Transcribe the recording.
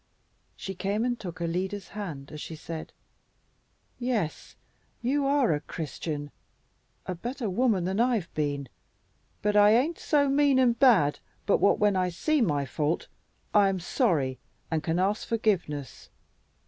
She came and took Alida's hand as she said, "Yes, you are a Christian a better woman than I've been, but I aint so mean and bad but what, when I see my fault, I am sorry and can ask forgiveness.